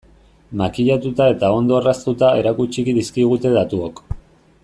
Makillatuta eta ondo orraztuta erakutsi dizkigute datuok.